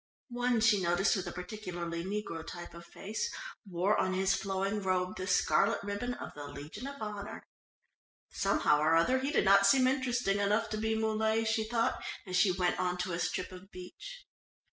One she noticed with a particularly negro type of face, wore on his flowing robe the scarlet ribbon of the Legion of Honour. Somehow or other he did not seem interesting enough to be Muley, she thought as she went on to a strip of beach.